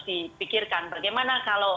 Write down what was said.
dipikirkan bagaimana kalau